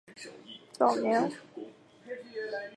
早年为郡庠生。